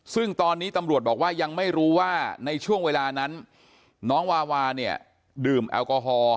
ซึ่งตอนนี้ตำรวจบอกว่ายังไม่รู้ว่าในช่วงเวลานั้นน้องวาวาเนี่ยดื่มแอลกอฮอล